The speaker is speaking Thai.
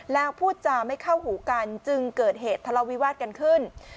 แล้วพูดจาไม่เข้าหูกันจึงเกิดเหตุทะเลาวิวาสกันขึ้น